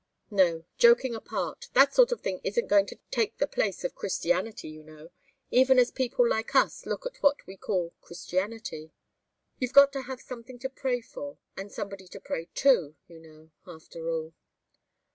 No joking apart that sort of thing isn't going to take the place of Christianity, you know even as people like us look at what we call Christianity. You've got to have something to pray for and somebody to pray to, you know, after all."